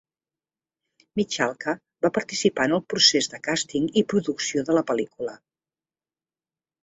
Michalka va participar en el procés de càsting i producció de la pel·lícula.